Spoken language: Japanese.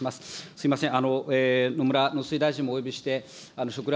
すみません。